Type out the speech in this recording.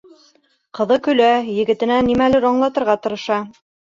Ҡыҙы көлә, егетенә нимәлер аңлатырға тырыша.